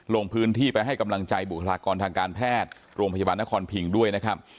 ลงพื้นที่ไปให้กำลังใจบุคลากรทางการแพทย์โรงพยาบาลนครพิงด้วยนะครับ